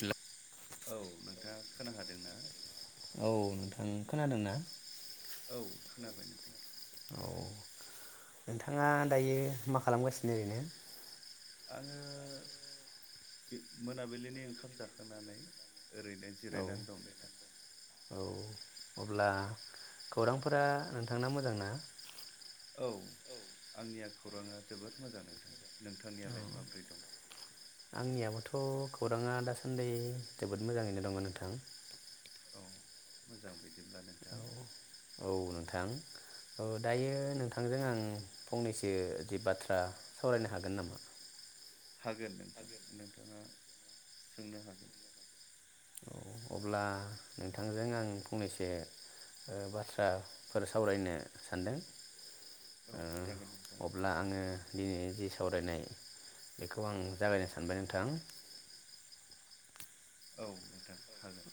Hello औ नोंथाङा खोनाखादोंना औ नोंथां खोनादों ना औ खोनाबाय नोंथां औ नोंथाङा दायो मा खालामगासिनो ओरैनो आङो मोनाबिलिनि ओंखाम जाखांनानै ओरैनो जिरायनानै दं अब्ला खौरांफोरा नोंथांना मोजां ना औ आंनिया खौराङा जोबोद मोजां नोंथां अ आंनियाबोथ' खौराङा दासान्दि जोबोद मोजाङैनो दङ नोंथां औ मोजां बिदि औ औ नोंथां औ दायो नोंथांजों आं फंनैसो जि बाथ्रा सावरायनो हागोन नामा हागोन नोंथां नोंथाङा सोंनो हागोन औ अब्ला नोंथांजों आं फंनैसे ओ बाथ्राफोर सावरायनो सानदों ओ अब्ला आङो दिनै जि सावरायनाय बेखौ आं जागायनो सानबाय नोंथां औ नोंथां हागोन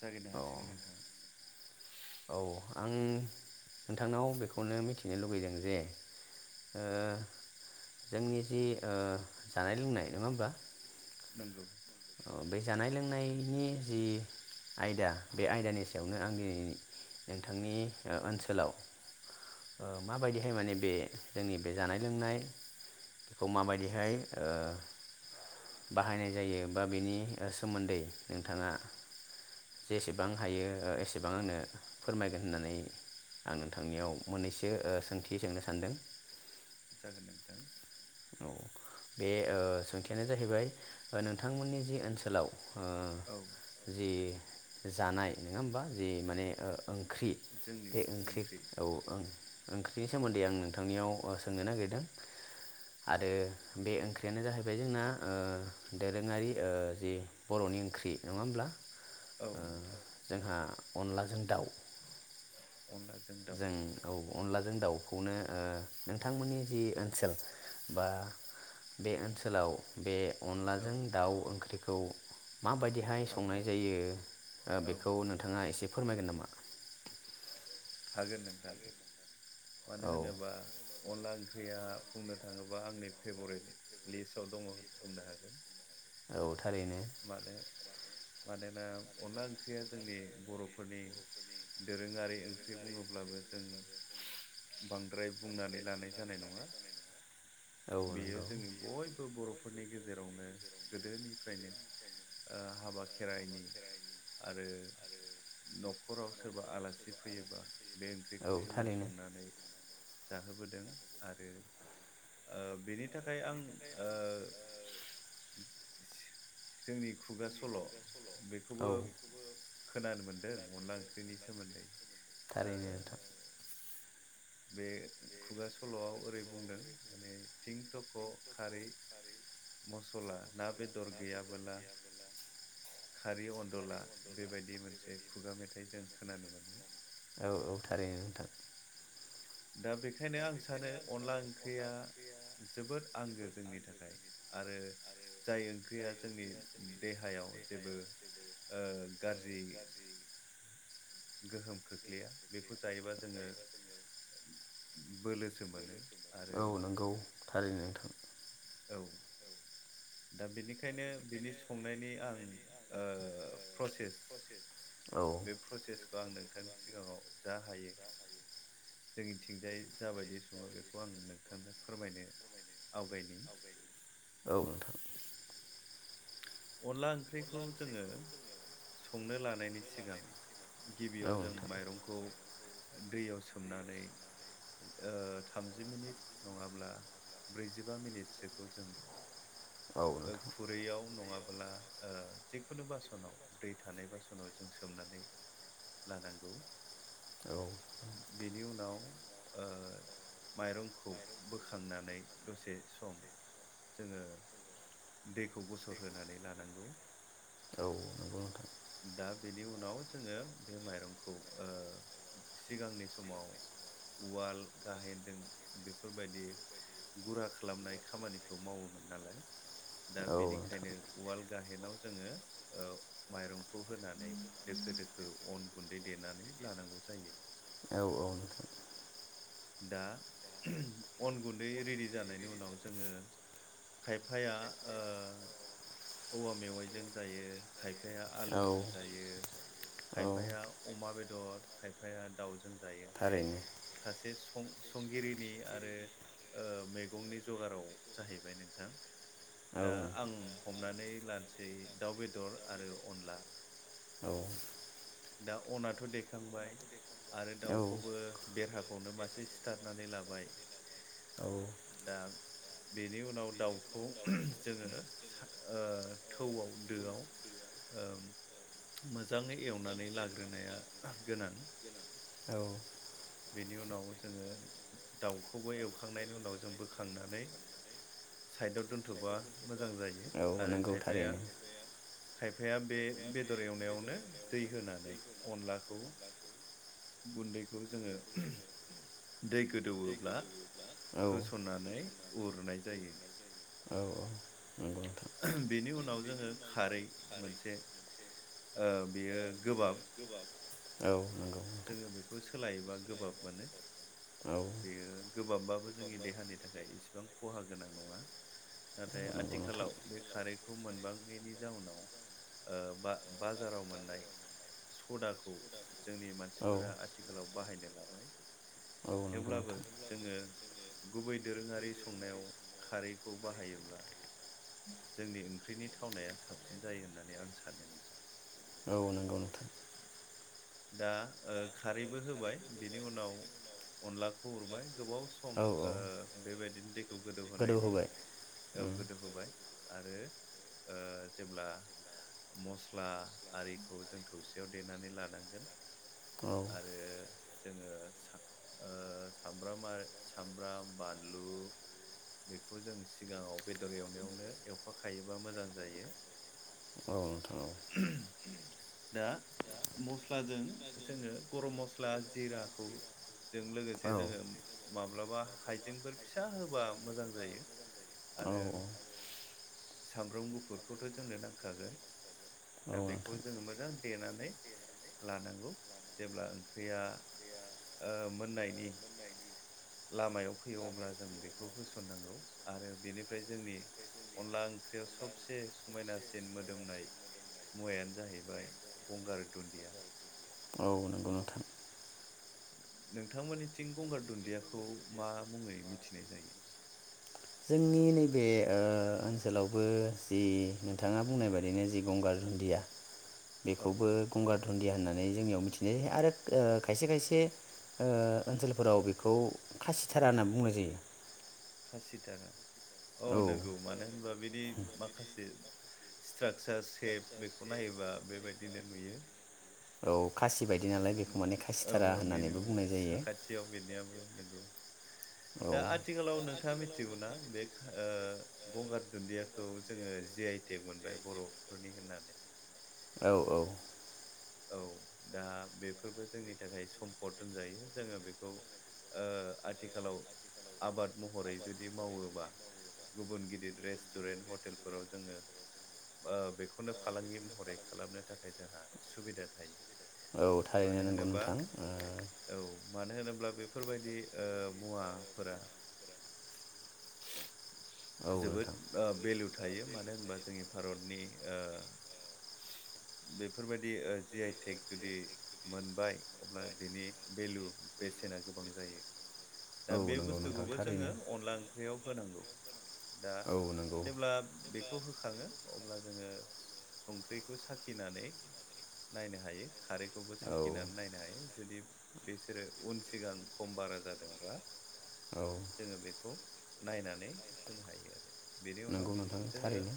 जागायनो हासिगोन नोंथाङा आं नोंथांनाव बेखौनो मिथिनो लुबैदों जे ओ जोंनि जि ओ जानाय लोंनाय नङा होनबा [inaudible] ओ बे जानाय लोंनायनि जि आयदा बे आयदानि सायावनो आं दि नोंथांनि ओनसोलाव ओ माबायदिहाय माने बे जोंनि बे जानाय लोंनायखौ माबायदिहाय ओ बाहायनाय जायो बा बेनि ओ सोमोन्दै नोंथाङा जेसेबां हायो एसेबां आंनो फोरमायगोन होननानै आं नोंथांनियाव मोननैसो ओ सोंथि सोंनो सानदों जागोन नोंथां औ बे ओ सोंथियानो जाहैबाय नोंथांमोननि जि ओनसोलाव ओ जि जानाय नङा होमबा जे माने‌ ओ-ओं ओंख्रि बे ओंख्रिखौ औ ओं बेनि सोमोन्दै आं नोंथांनियाव ओ सोंनो नागिरदों। आरो बे ओंख्रियानो जाहैबाय जोंना ओ दोरोङारि ओ जि बर'नि ओंख्रि नङा होमब्ला ओ जोंहा अनलाजों दाउ जों औ अनलाजों दाउ खौनो ओ नोंथांमोननि जि ओनसोल बा बे ओनसोलाव बे अनलाजों दाउ ओंख्रि खौ माबायदिहाय संनाय जायो ओ बेखौ नोंथाङा एसे फोरमायगोन नामा हागोन नोंथां मानो होनोबा अनला ओंख्रिया बुंनो थाङोबा आंनि फेभरेट लिस्टाव दङ बुंनो हागोन। औ थारैनो मानोना अनला ओंख्रिया जोंनि बर'फोरनि दोरोङारि ओंख्रि बुङोब्लाबो जों बांद्राय बुंनानै लानाय जानाय नङा। बेयो जोंनि बयबो बर' फोरनि गेजेरावनो गोदोनिफ्रायनो ओ हाबा खेराइनि आरो नख न'खराव सोरबा आलासि फैयोबा बे ओंख्रिखौ जोङो संनानै जाहोबोदों आरो ओ बेनि थाखाय आं सि जोंनि खुगा सल' बेखौबो खोनानो मोनदों अनला ओंख्रिनि सोमोन्दै ओ बे खुगा सल'आव ओरै बुंदों माने थिं थख' खारै मसला ना बेदर गैयाबोला खारै अनदला बेबायदि मोनसे खुगा मेथाइ जों खोनानो मोनो। दा बेखायनो आं सानो अनला ओंख्रिया जोबोद आंगो जोंनि थाखाय आरो जाय ओंख्रिया जोंनि देहायाव जेबो ओ गाज्रि गोहोम खोख्लैया बेखौ जायोबा जोङो औ नंगौ थारैनो नोंथां ओम औ दा बिनिखायनो बिनि संनायनि आं ओ प्रसेस बे प्रसेसखौ आं नोंथांनि सिगाङाव जा हायो जोंनिथिंजाय जाबायदि सङो बेखौ आं नोंथांनो फोरमायनो आवगायनि अनला ओंख्रिखौ जोङो संनो लानायनि सिगां गिबियाव जों माइरंखौ दैयाव सोम बुथुमनानै ओ थामजि मिनिट नङाब्ला ब्रैजिबा मिनिटसोखौ जों ओ खुरैयाव नङाब अब्ला ओ जिखुनु बासनाव दै थानाय बासनाव जों सोमनानै लानांगौ। बेनि उनाव ओ माइरंखौ बोखांनानै दसे सम जोङो दैखौ गसर होनानै लानांगौ दा बेनि उनाव जोङो बे माइरंखौ सिगांनि समाव उवाल गाहेनजों बेफोरबायदि गुरा खालामनाय खामानिखौ मावोमोन नालाय दा बेनिखायनो उवाल गाहेनाव जोङो माइरं खौ होनानै दोखो दोखो अन गुन्दै देनानै लानांगौ जायो औ औ दा अन गुन्दै रेडि जानायनि उनाव जोङो खायफाया ओ औवा मेवाइजों जायो खायफा खायफाया आलुजों जायो खायफाया अमा बेदर खायफाया दाउजों जायो बे सासे सं संगिरिनि आरो मैगंनि जगाराव जाहैबाय नोंथां दा आं हमनानै लानोसै दाउ बेदर आरो अनला दा अनाथ' दखांबाय आरो दाउखौबो बेरहा खौनो मासे सिथारनानै लाबाय दा बेनि उनाव दाउखौ जोङो थौआव दोआव मोजाङै एवनानै लाग्रोनाया गोनां औ बेनि उनाव जोङो दाउखौबो एवखांनायनि उनाव जों बोखांनानै साइदआव दोन्थ'बा मोजां जायो आरो खायफाया खायफाया बे बेदर एवनायावनो दै होनानै अनलाखौ गुन्दैखौ जोङो दै गोदौब्ला होसनन्नानै उरनाय जायो बेनि उनाव जोङो खारै मोनसे ओ बेयो गोबाब औ नंगौ जोङो बेखौ सोलायोबा गोबाब मोनो बेयो गोबाबबाबो जोंनि देहानि थाखाय इसेबां खहा गोनां नङा नाथाय आथिखालाव बे खारैखौ मोनबांनायनि जाउनाव बा बाजाराव मोननाय सदाखौ जोंनि मानसिफोरा आथिखालाव बाहायनाय [unintelligible] [unintelligible] गुबै दोरोङारि संनायाव खारैखौ बाहायोब्ला जोंनि ओंख्रिनि थावनाया साबसिन जायो होननानै आं सानोनो नदों औ नंगौ नोंथां दा खारैबो होबाय बिनि उनाव अनलाखौ उरबाय गोबाव सम ओ बेबायदिनो दैखौ गोदौहायनि औ गोदौहोबाय आरो ओ जेब्ला मस्ला आरिखौ जों थौसियाव देनानै लानांगौ आरो जोङो सामब्राम सामब्राम बानलु बेखौ जों सिगाङाव बेदर एवनायावनो एवफाखायोबा मोजां जायो दा म मस्लाजों जोङो गरम मस्ला जिराखौ जों लोगोसे जोङो माब्लाबा हाइजेंफोर फिसा होबा मोजां जायो आरो सामब्राम गुफुरखौथ' जोंनो नांखागोन दा बेखौ जोङो मोजां देनानै लानांगौ जेब्ला ओंख्रिया मोननायनि लामायाव फैयो अब्ला जों बेखौ होसो थननांगौ आरो बेनिफ्राय जोंनि अनला ओंख्रियाव सबसे समायनासिन मोदोमनाय मुवायानो जाहैबाय गंगार दुन्दिया औ नोंगौ नोंथां नोंथांमोननिथिं गंगार दुन्दियाखौ मा मुङै मिथिनाय जायो जोंनि नैबे ओनसोलावबो जि नोंथाङा बुंनाय बादिनो जि गंगार दुन्दिया बेखौबो गंगार दुनदिया होननानै जोंनियाव मिथिनाय जायो आरो खायसे खायसे ओनसोलफोराव बेखौ खासिथारा होनना बुंनाय जायो खासिथारा औ नंगौ मानो होनबा बिदि माखासे स्ट्राकचार सेप बेखौ नायोबा बेबायदिनो नुयो औ खासि बाय दि नालाय बेखौ माने खासिथारा होननानैबो बुंनाय जायो नोंगौ दा आथिखालाव नों थाङा मिथिगौना बे गंगार दुन्दियाखौ जोङो जि‌ आइ टेक मोनबाय बर'फोरनि होननानै औ औ औ दा बेफोरबो जोंनि थाखाय सम्पद होनजायो जोङो बेखौ ओ आथिखालाव आबाद महरै जुदि मावोबा गुबुन गिदिर रेस्टुरेन्ट हटेलफोराव जोङो बेखौनो फालांगि महरै खालामनो थाखाय जोंहा सुबिदा थायो मानो होनोबा औ मानो होनोब्ला बेफोरबायदि ओ मुवाफोरा जोबोद बेलु थायो मानो होनोबा जोंनि भारतनि ओ बे फोरबायदि ओ जि आइ टेक जुदि मोनबाय अब्ला बेनि बेलु बेसेना गोबां जायो दा बे बुस्थुखौबो जोङो अनला ओं ओंख्रियाव होनांगौ दा जेब्ला बे खौ खाङो अब्ला जोङो संख्रिखौ साखिनानै नायनो हायो खारैखौबो साखिनानै नायनो हायो जुदि बिसोरो उन सिगां खम बारा जादोंबा जोङो बेखौ नायनानै होनो हायो आरो बेनि उनाव थारैनो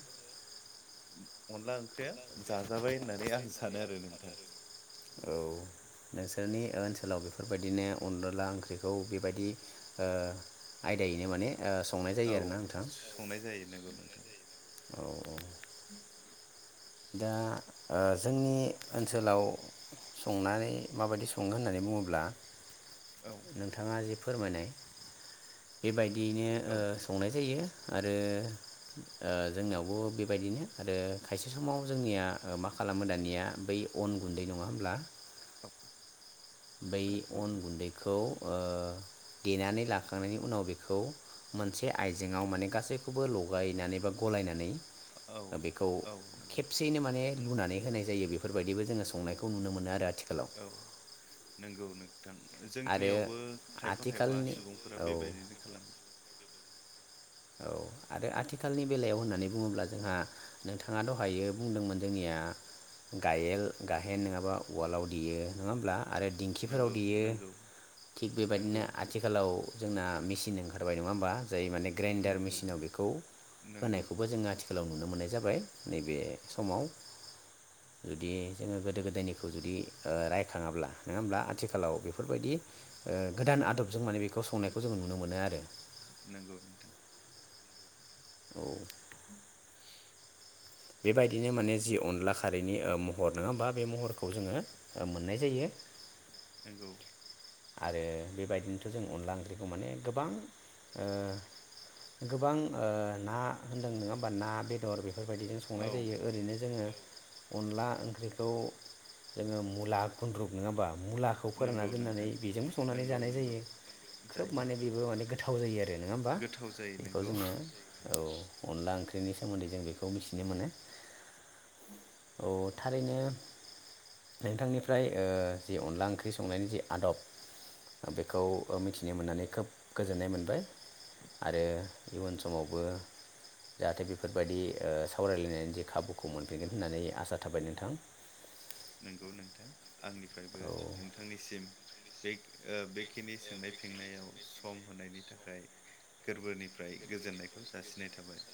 अनला ओंख्रिया जाजाबाय होननानै आं सानो आरो नोंथां नोंनि ओनसोलाव बेफोरबायदिनो अनदला ओंख्रिखौ बेबायदि आयदायैनो माने औ संनाय जायो नंगौ नंगौ औ औ दा ओ जोंनि ओनसोलाव संनानै माबायदि संगोन होननानै बुङोब्ला नोंथाङा जि फोरमायनाय बेबाय दिनो ओ संनाय जायो आरो ओ जोंनियावबो बेबायदिनो आरो खायसे समाव जोंनिया मा खालामो दानिया बै अन गुन्दै नङा होमब्ला बै अन गुन्दैखौ ओ देनानै लाखांनायनि उनाव बेखौ मोनसे आइजेफङाव माने गासैखौबो लगायनानै बा गलायनानै बेखौ खेबसेयैनो माने लुनानै होनाय जायो बेफोरबायदिबो जोङो संनायखौ नुनो मोनो आरो आथिखालाव। नोंगौ नों थां जोंनियावबो खायफा खायफा सुबुंफोरा बेबायदिनो खालामो। औ आरो आथिखालनि बेलायाव होननानै बुङोब्ला जोंहा नोंथाङा दहायो बुंदोंमोन जोंनिया गायेल गाहेन नङाबा उवालाव देयो। नङा होमब्ला आरो दिंखिफोराव देयो थिग बेबायदिनो आथिखालाव जोंना मेसिन बाय नङा होमबा जाय माने ग्रेन्डार मेसिनाव बेखौ होनायखौबो जों आथिखालाव नुनो मोननाय जाबाय नैबे समाव जुदि जोङो गोदो गोदायनिखौ जुदि रायखाङाब्ला नङा होमब्ला आथिखालाव बेफोरबायदि ओ गोदान आदबजों माने बेखौ संनायखौ जों नुनो मोनो आरो। नोंगौ नोंथां। औ [inaudible] बेबायदिनो माने जि अनला खारैनि ओ महर नङा होमबा बे महरखौ जोङो ओ मोननाय जायो। नोंगौ आरो बेबायदिनोथ जों अनला ओंख्रिखौ माने गोबां ओ गोबां ओ ना होन्दों नङा होमा ना बेदर बे फोरबायदिजों संनाय जायो ओरैनो जोङो अनला ओंख्रिखौ जोङो मुला गुन्द्रुुब नङाबा मुलाखौ फोरानना दोननानै बेजों संनानै जानाय जायो खोब माने बेबो माने गोथाव जायो आरो नङा होमबा? ख्रिनि सोमोन्दै जों बेखौ मिथिनो मोनो औ थारैनो नोंथांनिफ्राय ओ जि अनला ओंख्रि संनायनि जि आदब बेखौ मिथिनो मोननानै खोब गोजोननाय मोनबाय आरो इयुन समावबो जाहाथे बेफोरबायदि ओ सावरायलायनायनि जे खाबुखौ मोनफिनगोन होननानै आसा थाबाय नोंथां। नोंगौ नोंथां। आंनिफ्रायबो नोंथांनिसिम बे ओ बेखिनि सोंनाय फिननायाव सु सम होनायनि थाखाय गोरबोनिफ्राय गोजोननायखौ जासि नाय थाबाय।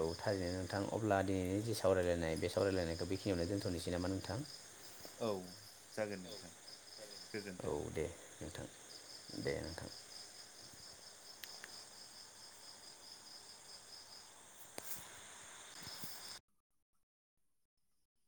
औ थारैनो नोंथां अब्ला दिनैनि जि सावरायलायनाय बे सावरायलायनायखौ बेखिनियावनो दोन्थ'नोसै नामा नोंथां। औ जागोन नोंथां। औ दे नोंथां। दे नोंथां।